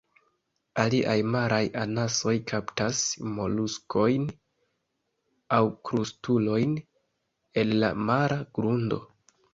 Aliaj maraj anasoj kaptas moluskojn aŭ krustulojn el la mara grundo.